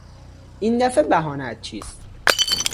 این دفعه بهانهات چیست؟